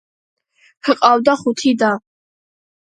ჰყავდა ხუთი და.